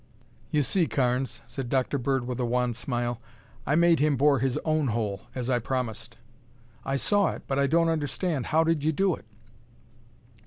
"You see, Carnes," said Dr. Bird with a wan smile. "I made him bore his own hole, as I promised." "I saw it, but I don't understand. How did you do it?"